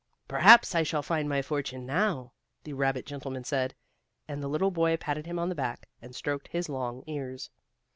"Perhaps I shall find my fortune now," the rabbit gentleman said. And the little boy patted him on the back, and stroked his long ears.